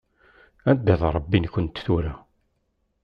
Anda-t Ṛebbi-nkent tura?